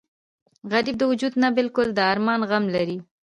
غریب د وجود نه بلکې د ارمان غم لري